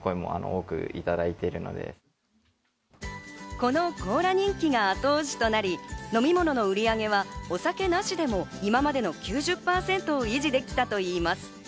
このコーラ人気が後押しとなり、飲み物の売り上げはお酒なしでも今までの９０％を維持できたといいます。